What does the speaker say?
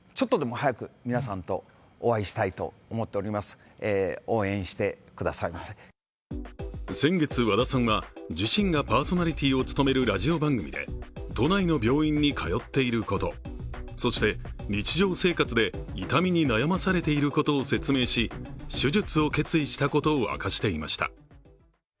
昨日、和田アキ子さんは「アッコにおまかせ！」の中で先月、和田さんは自身がパーソナリティーを務めるラジオ番組で都内の病院に通っていること、そして、日常生活で痛みに悩まされていることを説明し手術を決意したことを明かしていました。